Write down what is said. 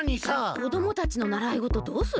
こどもたちのならいごとどうする？